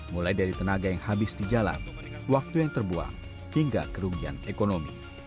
mulai dari tenaga yang habis di jalan waktu yang terbuang hingga kerugian ekonomi